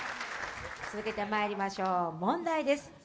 続けてまいりましょう、問題です。